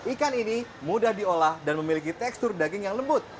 ikan ini mudah diolah dan memiliki tekstur daging yang lembut